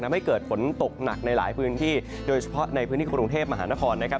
ทำให้เกิดฝนตกหนักในหลายพื้นที่โดยเฉพาะในพื้นที่กรุงเทพมหานครนะครับ